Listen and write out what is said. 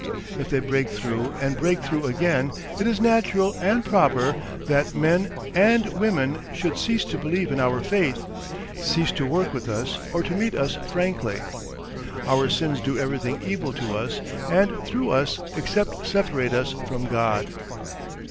If they break through and break through again it is natural and proper that men and women should cease to believe in our faith, cease to work with us or to meet us frankly. ... Our sins do everything evil to us and through us except separate us from God.